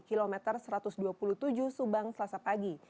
kilometer satu ratus dua puluh tujuh subang selasa pagi